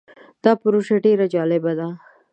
دا پروژه ډیر جالبه ده.